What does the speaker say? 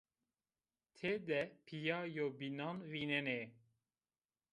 Têde pîya yewbînan vînenê